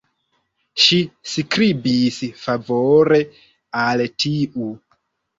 Ŝi skribis favore al tiu.